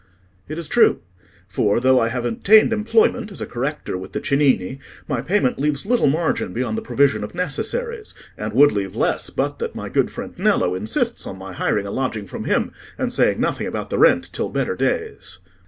"It is true; for, though I have obtained employment, as a corrector with the Cennini, my payment leaves little margin beyond the provision of necessaries, and would leave less but that my good friend Nello insists on my hiring a lodging from him, and saying nothing about the rent till better days."